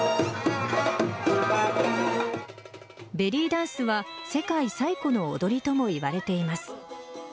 ベリーダンスは世界最古の踊りともいわれています。